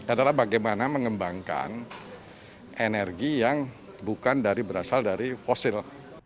adalah bagaimana mengembangkan energi yang bukan dari berasal dari fosil